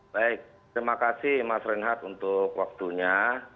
baik terima kasih mas renhat untuk waktunya